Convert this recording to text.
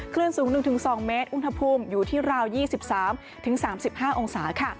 คลื่นสูง๑๒เมตรอุณหภูมิอยู่ที่ราว๒๓๓๕องศาค่ะ